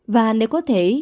và nếu có thể